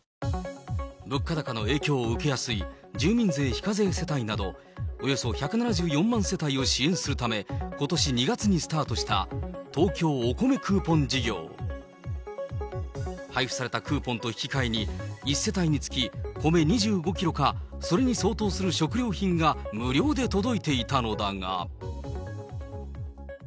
物価高の影響を受けやすい住民税非課税世帯など、およそ１７４万世帯を支援するため、ことし２月にスタートした、配布されたクーポンと引き換えに、１世帯につき米２５キロか、それに相当する食料品が無料で届いていたのだが。